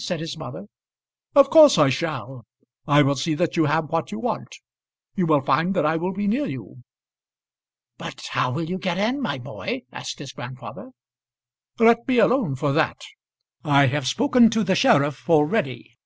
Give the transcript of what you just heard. said his mother. "Of course I shall. I will see that you have what you want. You will find that I will be near you." "But how will you get in, my boy?" asked his grandfather. "Let me alone for that. I have spoken to the sheriff already.